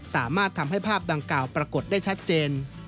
สามารถทำให้ภาพดังกล่าวปรากฏได้ชัดเจน